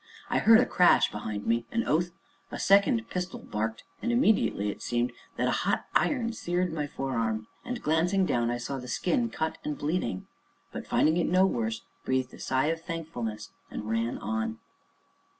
I heard a crash behind me, an oath, a second pistol barked, and immediately it seemed that a hot iron seared my forearm, and glancing down, I saw the skin cut and bleeding, but, finding it no worse, breathed a sigh of thankfulness, and ran on.